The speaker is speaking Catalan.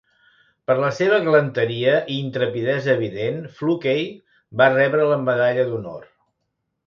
Per la seva galanteria i intrepidesa evident, Fluckey va rebre la medalla d'honor.